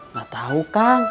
nggak tahu kang